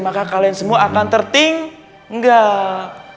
maka kalian semua akan tertinggal